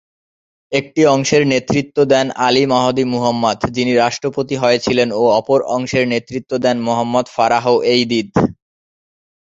একটি অংশের নেতৃত্ব দেন আলি মাহদি মুহাম্মদ, যিনি রাষ্ট্রপতি হয়েছিলেন, ও অপর অংশের নেতৃত্ব দেন মোহাম্মদ ফারাহ এইদিদ।